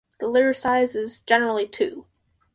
The litter size is generally two.